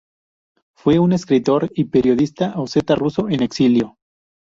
Fue un escritor y periodista oseta-ruso en el exilio.